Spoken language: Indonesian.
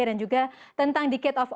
dan juga tentang decade of ebt